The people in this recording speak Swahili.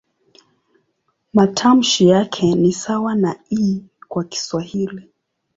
Matamshi yake ni sawa na "i" kwa Kiswahili.